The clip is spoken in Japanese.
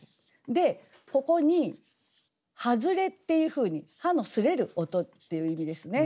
でここに「葉擦れ」っていうふうに葉の擦れる音っていう意味ですね。